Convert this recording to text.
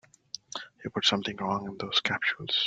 You put something wrong in those capsules.